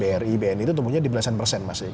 bni bri bnd itu tumbuhnya di belasan persen masih